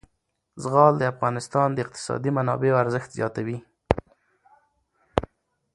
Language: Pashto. زغال د افغانستان د اقتصادي منابعو ارزښت زیاتوي.